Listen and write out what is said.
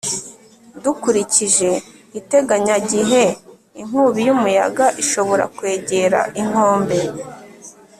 Dukurikije iteganyagihe inkubi yumuyaga ishobora kwegera inkombe